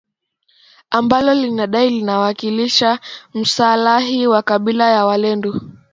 ambalo linadai linawakilisha maslahi ya kabila la walendu